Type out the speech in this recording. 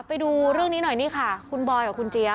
ไปดูเรื่องนี้หน่อยนี่ค่ะคุณบอยกับคุณเจี๊ย